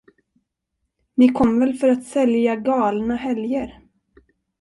Ni kom väl för att sälja galna helger?